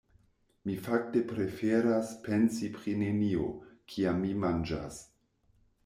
Mi fakte preferas pensi pri nenio, kiam mi manĝas.